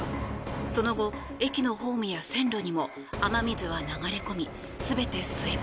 その後、駅のホームや線路にも雨水は流れ込み全て水没。